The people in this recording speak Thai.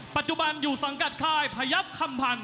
ปัจจุบันอยู่สังกัดค่ายพยับคำพันธ